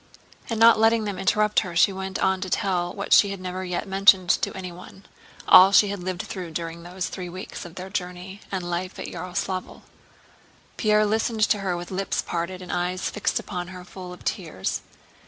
And not letting them interrupt her she went on to tell what she had never yet mentioned to anyone—all she had lived through during those three weeks of their journey and life at Yaroslávl. Pierre listened to her with lips parted and eyes fixed upon her full of tears.